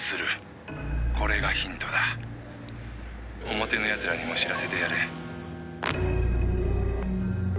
「表の奴らにも知らせてやれ」